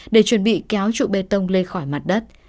để chuẩn bị kéo trụ bê tông lên khỏi mặt đất